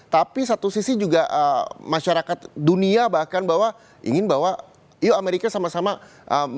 tapi satu sisi juga masyarakat dunia bahkan bahwa ingin bahwa yuk amerika sama sama